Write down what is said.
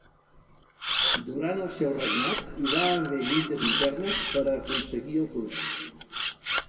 Durant el seu regnat hi va haver lluites internes per aconseguir el poder.